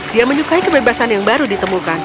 dia menyukai kebebasan yang baru ditemukan